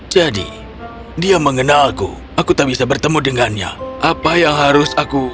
jadi dia mengenalku aku tak bisa bertemu dengannya apa yang harus aku